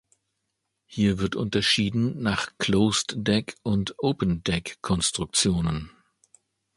Hier wird unterschieden nach Closed-Deck- und Open-Deck-Konstruktionen.